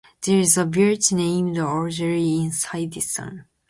There is a village named Allegany inside this town.